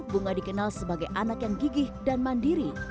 bunga dikenal sebagai anak yang gigih dan mandiri